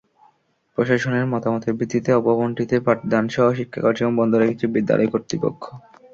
প্রশাসনের মতামতের ভিত্তিতে ভবনটিতে পাঠদানসহ শিক্ষা কার্যক্রম বন্ধ রেখেছে বিদ্যালয় কর্তৃপক্ষ।